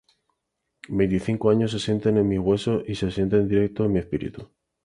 Veinticinco años se sienten en mis huesos y se sienten directo en mi espíritu.